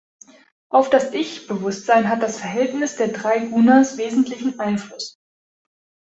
Auf das Ich-Bewusstsein hat das Verhältnis der drei Gunas wesentlichen Einfluss.